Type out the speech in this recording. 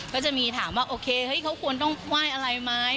ก็จะมีถามว่าโอเคเฮ้ยเขาควรต้องไหว้อะไรไหม